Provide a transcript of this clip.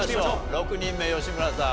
６人目吉村さん